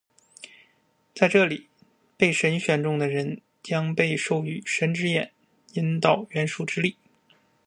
在这里，被神选中的人将被授予「神之眼」，引导元素之力。